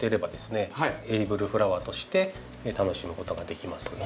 エディブルフラワーとして楽しむことができます。